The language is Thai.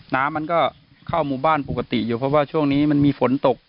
น้ำมันก็เข้าหมู่บ้านปกติอยู่เพราะว่าช่วงนี้มันมีฝนตก